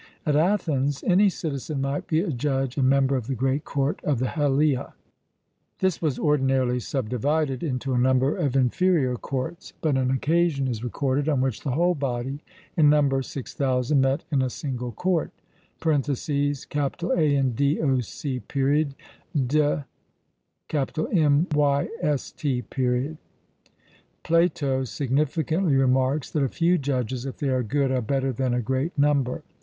At Athens any citizen might be a judge and member of the great court of the Heliaea. This was ordinarily subdivided into a number of inferior courts, but an occasion is recorded on which the whole body, in number six thousand, met in a single court (Andoc. de Myst.). Plato significantly remarks that a few judges, if they are good, are better than a great number.